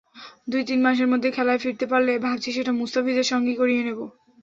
দুই-তিন মাসের মধ্যে খেলায় ফিরতে পারলে ভাবছি সেটা মুস্তাফিজের সঙ্গেই করিয়ে নেব।